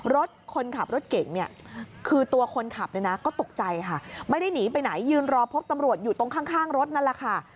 รถคนขับรถเก่งเนี่ยคือตัวคนขับเนี่ยนะก็ตกใจค่ะไม่ได้หนีไปไหนยืนรอพบตำรวจอยู่ตรงข้างรถนั่นแหละค่ะ